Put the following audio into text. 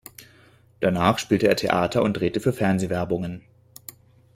Danach spielte er Theater und drehte für Fernsehwerbungen.